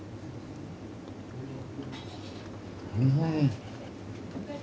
うん。